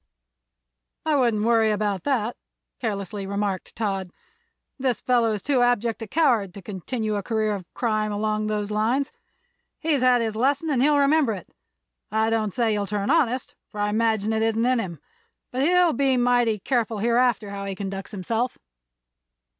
"I wouldn't worry about that," carelessly remarked Todd. "This fellow is too abject a coward to continue a career of crime along those lines. He's had his lesson, and he'll remember it. I don't say he'll turn honest, for I imagine it isn't in him; but he'll be mighty careful hereafter how he conducts himself."